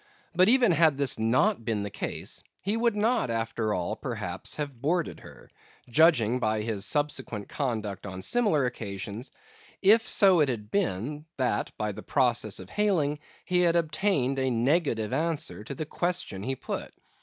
But even had this not been the case, he would not after all, perhaps, have boarded her—judging by his subsequent conduct on similar occasions—if so it had been that, by the process of hailing, he had obtained a negative answer to the question he put.